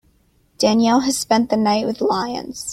Danielle has spent the night with lions.